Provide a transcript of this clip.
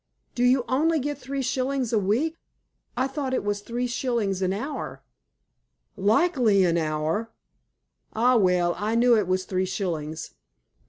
"Do you only get three shillings a week? I thought it was three shillings an hour." "Likely an hour!" "Ah well, I knew it was three shillings.